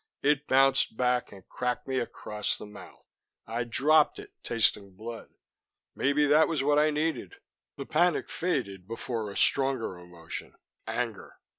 It bounced back and cracked me across the mouth. I dropped it, tasting blood. Maybe that was what I needed. The panic faded before a stronger emotion anger.